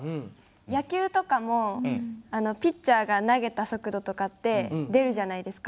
野球とかもピッチャーが投げた速度とかって出るじゃないですか。